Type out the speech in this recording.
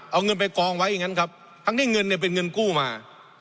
เอาเงินไปกองไว้อย่างนั้นครับทั้งที่เงินเนี่ยเป็นเงินกู้มา